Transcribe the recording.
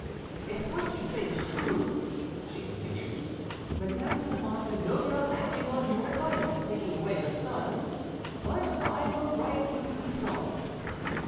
"If what you say is true," she continued, "Madame de Lamotte is no doubt acting on your advice in taking away her son. But I will write to Buisson."